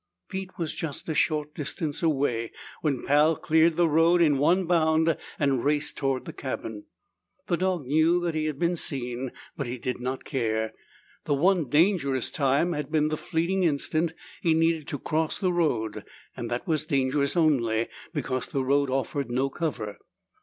Pete was just a short distance away when Pal cleared the road in one bound and raced toward the cabin. The dog knew that he had been seen, but he did not care. The one dangerous time had been the fleeting instant he'd needed to cross the road and that was dangerous only because the road offered no cover.